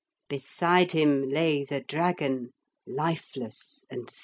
Beside him lay the dragon, lifeless and still.